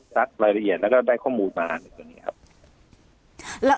ซักรายละเอียดแล้วก็ได้ข้อมูลมา